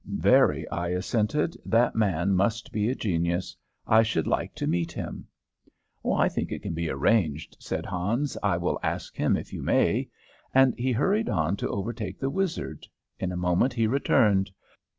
"Very," I assented. "That man must be a genius; I should like to meet him." "I think it can be arranged," said Hans. "I will ask him if you may." And he hurried on to overtake the wizard. In a moment he returned.